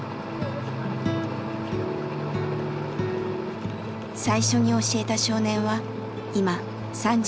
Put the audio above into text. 最初に教えた少年は今３７歳。